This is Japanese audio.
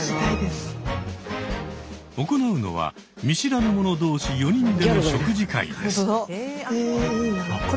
行うのは見知らぬ者同士４人での食事会です。